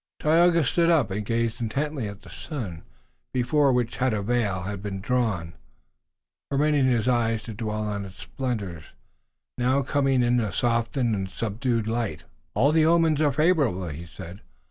Tayoga stood up and gazed intently at the sun, before which a veil had been drawn, permitting his eyes to dwell on its splendors, now coming in a softened and subdued light. "All the omens are favorable," he said.